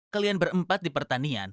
kalian berempat di pertanian